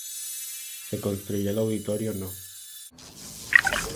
Se construyó el Auditorio No.